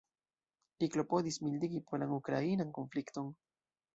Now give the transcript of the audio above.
Li klopodis mildigi polan-ukrainan konflikton.